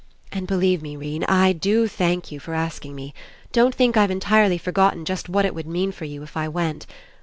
"And believe me, 'Rene, I do thank you for 35 PASSING asking me. Don't think I've entirely forgotten just what it would mean for you if I went.